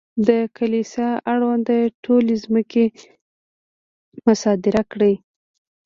د کلیسا اړونده ټولې ځمکې مصادره کړې.